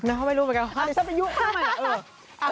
เขาไม่รู้ใหม้เหภะเดี๋ยวไปยุเว่งเข้ามา